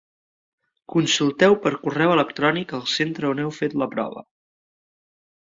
Consulteu per correu electrònic al centre on heu fet la prova.